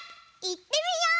いってみよう！